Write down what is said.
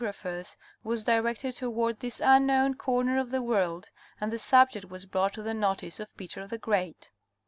raphers was directed toward this unknown corner of the world and the subject was brought to the notice of Peter the Great.